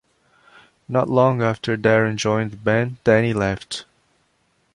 Not long after Darren joined the band, Danny left.